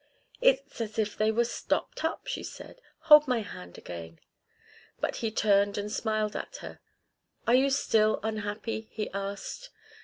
"It's as if they were stopped up," she said. "Hold my hand again." But he turned and smiled at her. "Are you still unhappy?" he asked.